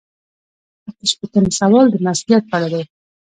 اته شپیتم سوال د مسؤلیت په اړه دی.